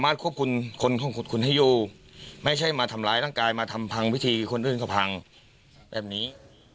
ไม่ใช่มาทำร้ายร่างกายมาทำพังพิธีคนอื่นก็พังแบบนี้